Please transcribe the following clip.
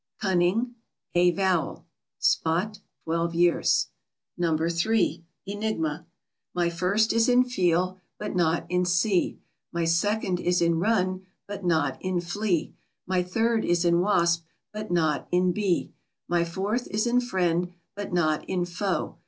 Cunning. A vowel. SPOT (twelve years). No. 3. ENIGMA. My first is in feel, but not in see. My second is in run, but not in flee. My third is in wasp, but not in bee. My fourth is in friend, but not in foe.